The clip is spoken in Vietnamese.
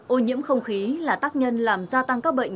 ô nhiễm không khí là tác nhân làm gia tăng các bệnh